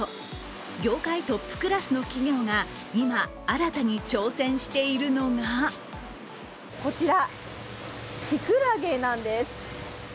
業界トップクラスの企業が今、新たに挑戦しているのがこちら、きくらげなんです。